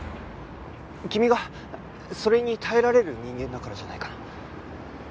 君がそれに耐えられる人間だからじゃないかな。